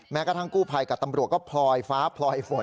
กระทั่งกู้ภัยกับตำรวจก็พลอยฟ้าพลอยฝน